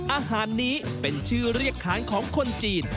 อาหารนี้เป็นชื่อเรียกขานของคนจีน